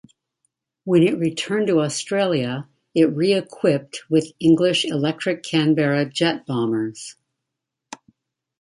When it returned to Australia it re-equipped with English Electric Canberra jet bombers.